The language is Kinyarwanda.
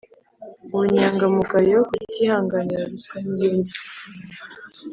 ubunyangamugayo kutihanganira ruswa ni bindi